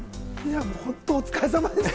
本当、お疲れさまでした！